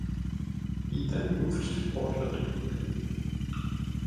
He then moved to Portland, Oregon.